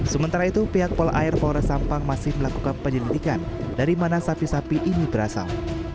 sementara itu pihak polair polres sampang masih melakukan penyelidikan dari mana sapi sapi ini berasal